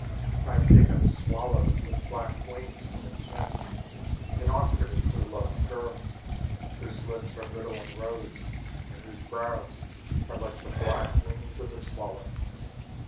I have taken a swallow with black wings from its nest and offered it to the loved girl, Whose lips are little and rose and whose brows are like the black wings of the swallow.